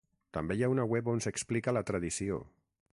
També hi ha una web on s’explica la tradició.